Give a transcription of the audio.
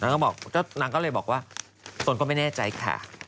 นางก็บอกนางก็เลยบอกว่าตนก็ไม่แน่ใจค่ะ